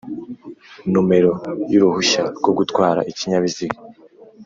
numero y’uruhushya rwo gutwara ikinyabiziga.